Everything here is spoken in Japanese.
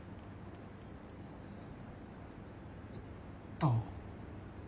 どう？